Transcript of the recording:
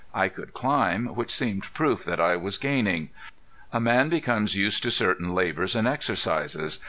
I could climb, which seemed proof that I was gaining. A man becomes used to certain labors and exercises.